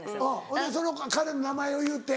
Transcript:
ほんでその彼の名前を言うて。